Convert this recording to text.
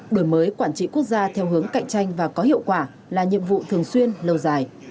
đổi mới quản trị quốc gia theo hướng cạnh tranh và có hiệu quả là nhiệm vụ thường xuyên lâu dài